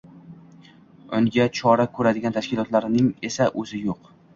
Unga chora ko‘radigan tashkilotning esa o‘zi yo‘q